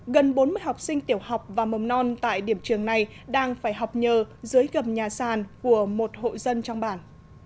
gần bốn mươi học sinh tiểu học và mầm non tại điểm trường này đang phải học nhờ dưới gầm nhà sàn của một hộ dân trong bản